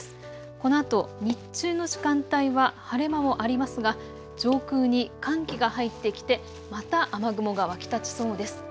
このあと日中の時間帯は晴れ間もありますが上空に寒気が入ってきて、また雨雲が湧き立ちそうです。